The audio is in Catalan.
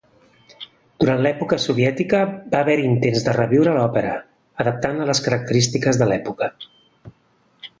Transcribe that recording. Durant l'època soviètica, va haver-hi intents de reviure l'òpera, adaptant-la a les característiques de l'època.